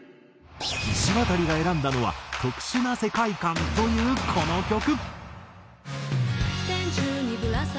いしわたりが選んだのは特殊な世界観というこの曲。